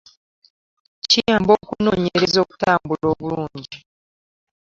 Kiyamba okunoonyereza okutambula obulungi